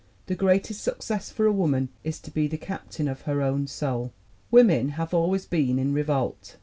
The greatest success for a woman is to be the captain of her own soul. "Women have always been in revolt."